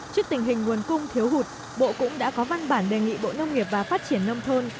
trước tình hình nguồn cung thiếu hụt bộ cũng đã có văn bản đề nghị bộ nông nghiệp và phát triển nông thôn